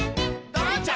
「ドロンチャ！